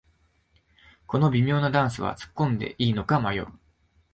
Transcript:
この微妙なダンスはつっこんでいいのか迷う